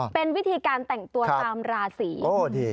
เป็นวิธีการแต่งตัวตามราศี